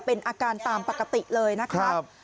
เป็นอาการตามปกติเลยนะครับ